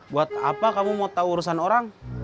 buat apa kamu mau tahu urusan orang